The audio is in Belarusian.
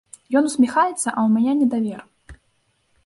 Ён усміхаецца, а ў мяне недавер.